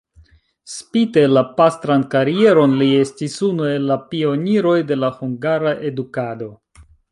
Spite la pastran karieron li estis unu el la pioniroj de la hungara edukado.